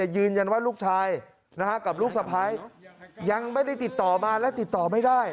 ยืนยันว่าลูกชายกับลูกสะพ้ายยังไม่ได้ติดต่อมาและติดต่อไม่ได้